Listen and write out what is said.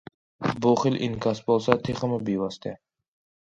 بۇ خىل ئىنكاس بولسا تېخىمۇ بىۋاسىتە.